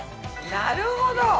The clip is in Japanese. なるほど！